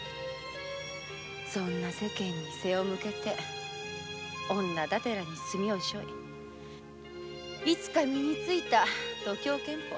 そんな世間に背を向けて女だてらに墨を背負いいつか身についた度胸剣法。